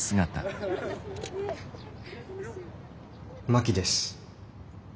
真木です。